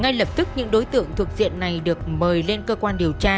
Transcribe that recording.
ngay lập tức những đối tượng thuộc diện này được mời lên cơ quan điều tra